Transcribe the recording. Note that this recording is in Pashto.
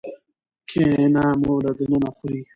کینه مو له دننه خوري.